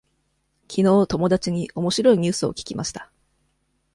きのう友達におもしろいニュースを聞きました。